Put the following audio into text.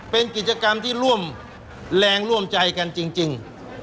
เป็นกิจกรรมที่ร่วมแรงร่วมใจกันจริง